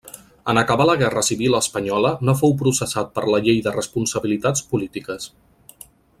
En acabar la guerra civil espanyola no fou processat per la Llei de Responsabilitats Polítiques.